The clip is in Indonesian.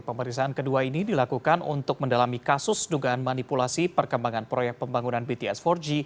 pemeriksaan kedua ini dilakukan untuk mendalami kasus dugaan manipulasi perkembangan proyek pembangunan bts empat g